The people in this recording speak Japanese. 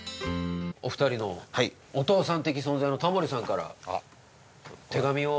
お二人のお父さん的存在のタモリさんから手紙を。